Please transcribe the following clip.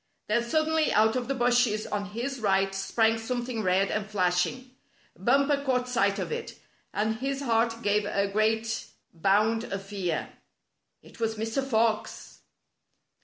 Then suddenly out of the bushes on his right sprang something red and flashing. Bumper caught sight of it, and his heart gave a great bound of fear. It was Mr. Fox!